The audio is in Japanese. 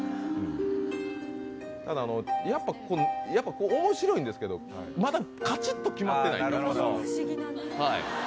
やっぱ、面白いんですけど、まだカチッと決まってない。